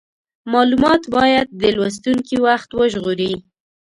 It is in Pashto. مالومات باید د لوستونکي وخت وژغوري.